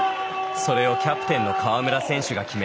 それをキャプテンの川村選手が決め